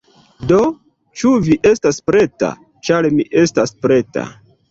Do, ĉu vi estas preta? ĉar mi estas preta!